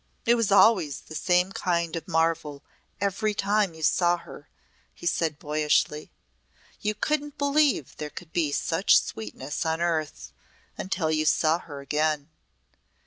"It was always the same kind of marvel every time you saw her," he said boyishly. "You couldn't believe there could be such sweetness on earth until you saw her again.